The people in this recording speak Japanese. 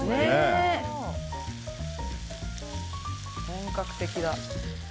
本格的だ。